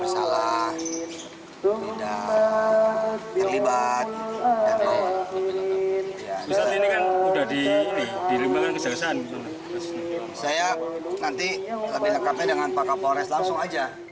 saya nanti lebih lengkapnya dengan pakapolres langsung aja